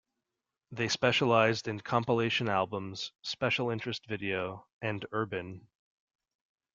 They specialized in compilation albums, special interest video, and urban.